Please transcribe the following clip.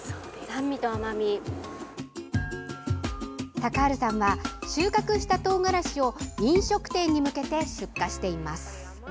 サカールさんは収穫したトウガラシを飲食店に向けて出荷しています。